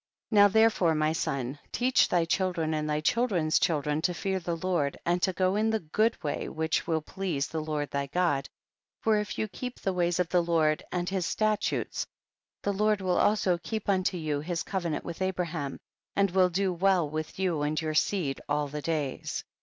8. Now therefore my son, teach thy children and thy children's chil dren to fear the Lord, and to go in the good way which will please the Lord thy God, for if you keep the ways of the Lord and his statutes the Lord will also keep unto you his co venant with Abraham, and will do well with you and your seed all the days.